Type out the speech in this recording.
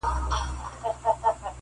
هم خوشال یې مور او پلار وه هم یې وړونه,